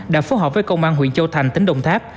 đã phối hợp với công an huyện châu thành tỉnh đồng tháp